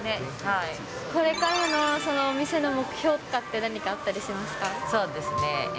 これからのお店の目標とかって、何かあったりしますか。